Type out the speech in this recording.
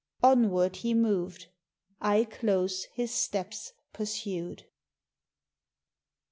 Onward he mov'd, I close his steps pursu'd.